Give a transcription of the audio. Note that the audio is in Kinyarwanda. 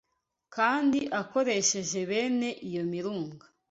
kandi akoresheje bene iyo mirunga